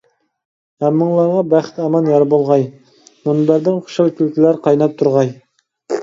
ھەممىڭلارغا بەخت-ئامەت يار بولغاي! مۇنبەردىن خۇشال كۈلكىلەر قايناپ تۇرغاي!